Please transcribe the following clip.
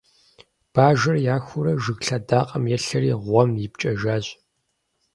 Бажэр яхуурэ, жыг лъэдакъэм елъэри гъуэм ипкӀэжащ.